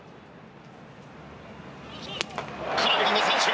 空振りの三振！